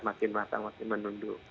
makin matang makin menunduk